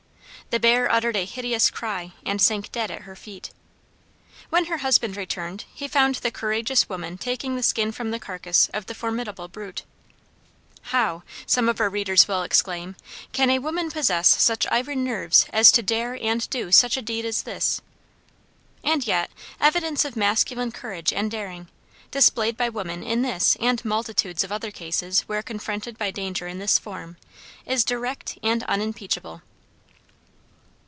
The bear uttered a hideous cry, and sank dead at her feet. When her husband returned, he found the courageous woman taking the skin from the carcass of the formidable brute. "How," some of our readers will exclaim, "can a woman possess such iron nerves as to dare and do such a deed as this?" And yet, evidence of masculine courage and daring, displayed by women in this and multitudes of other cases where confronted by danger in this form, is direct and unimpeachable.